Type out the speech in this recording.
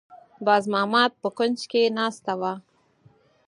باز محمد په کونج کې ناسته وه.